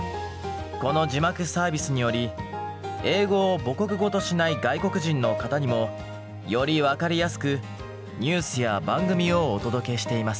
この字幕サービスにより英語を母国語としない外国人の方にもより分かりやすくニュースや番組をお届けしています。